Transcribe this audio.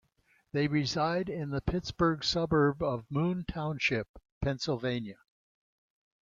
They reside in the Pittsburgh suburb of Moon Township, Pennsylvania.